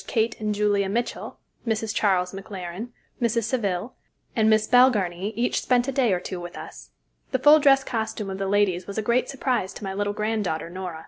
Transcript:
Kate and Julia Mitchell, Mrs. Charles McLaren, Mrs. Saville, and Miss Balgarnie each spent a day or two with us. The full dress costume of the ladies was a great surprise to my little granddaughter Nora.